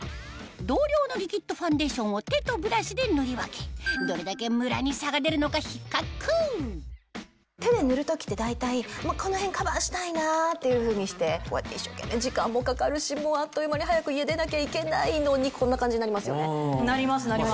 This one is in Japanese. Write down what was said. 同量のリキッドファンデーションを手とブラシで塗り分けどれだけムラに差が出るのか比較手で塗る時って大体この辺カバーしたいなっていうふうにしてこうやって一生懸命時間もかかるしあっという間に早く家出なきゃいけないのにこんな感じになりますよね。